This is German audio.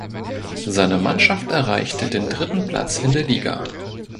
Seine Mannschaft erreichte den dritten Platz in der Liga.